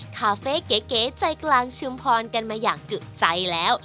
คาเฟ่เก๋ใจกลางชุมพรกันมาอย่างจุดใจแล้ว